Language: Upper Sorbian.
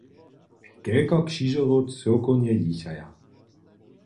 Kelko křižerjow cyłkownje jěchaja?